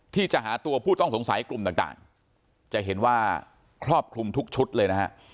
ที่จะหาตัวผู้ต้องสงสัยกลุ่มต่างจะเห็นว่าครอบคลุมทุกชุดเลยนะฮะ